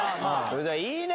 「いいね」